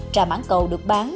trà mảng cầu được bán